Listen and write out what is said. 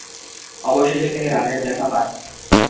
অবশেষে তিনি রানের দেখা পান।